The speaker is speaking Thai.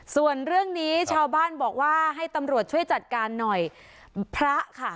ส่วนเรื่องนี้ชาวบ้านบอกว่าให้ตำรวจช่วยจัดการหน่อยพระค่ะ